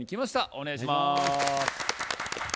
お願いします。